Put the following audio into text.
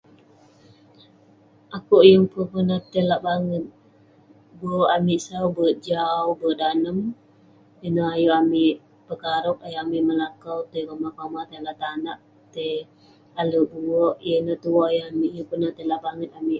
Akouk yeng pun pernah tai lak banget. Be'ek amik sau, be'ek jau be'ek Danuk. Ineh ayuk amik pekarog, ayuk amik melakau tai lak mah, tai lak tanak, tai ale' bue'. Yah ineh tue ayuk amik. Yeng peronah tai lak banget amik.